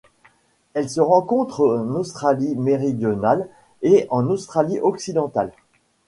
Elles se rencontrent en Australie-Méridionale et en Australie-Occidentale.